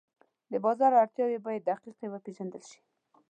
د بازار اړتیاوې باید دقیقې وپېژندل شي.